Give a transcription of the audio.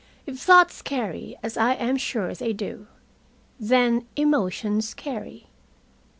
If thoughts carry, as I am sure they do, then emotions carry.